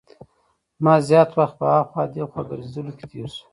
زما زیات وخت په هاخوا دیخوا ګرځېدلو کې تېر شو.